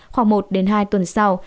khoảng một đến hai tuần sau